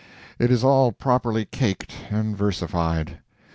It is all properly caked and versified.